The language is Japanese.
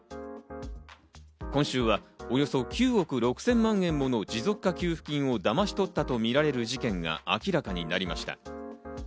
今週はおよそ９億６０００万円もの持続化給付金をだまし取ったとみられる事件が明らかになりました。